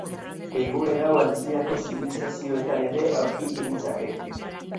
Egoera hau antzinako zibilizazioetan ere aurki genitzake.